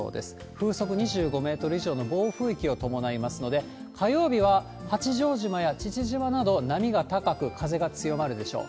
風速２５メートル以上の暴風域を伴いますので、火曜日は八丈島や父島など波が高く、風が強まるでしょう。